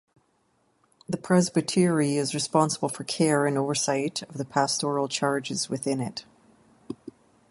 The presbytery is responsible for care and oversight of the pastoral charges within it.